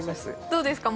どうですか？